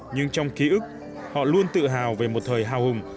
nhưng trong ký ức họ luôn tự hào về một thời hào hùng